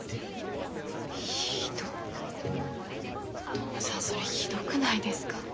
トムさんそれひどくないですか？